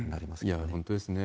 いや、本当ですね。